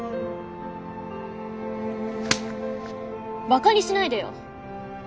バカにしないでよ！